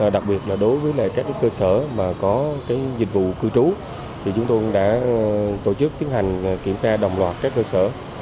đặc biệt là đối với các cơ sở mà có dịch vụ cư trú thì chúng tôi đã tổ chức tiến hành kiểm tra đồng loạt các cơ sở